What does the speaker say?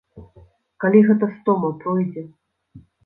Калі гэта стома пройдзе?